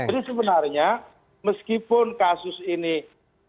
jadi sebenarnya meskipun kasus ini ditangannya